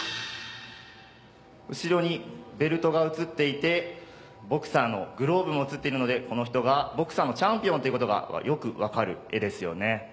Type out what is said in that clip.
後ろにベルトが映っていてボクサーのグローブも映っているのでこの人がボクサーのチャンピオンということがよく分かる画ですよね。